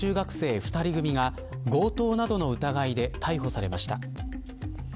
２人組みが強盗などの疑いで逮捕されました。